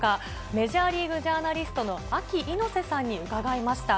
メジャーリーグジャーナリストのアキ猪瀬さんに伺いました。